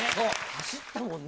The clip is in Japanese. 走ったもんね。